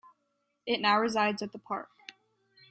It now resides at the park.